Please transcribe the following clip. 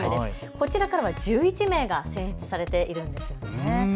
こちらからは１１名が選出されているんです。